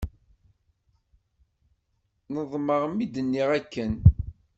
Nedmeɣ mi d-nniɣ akken.